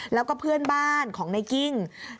แล้วก็เพื่อนบ้านของในกิ้ง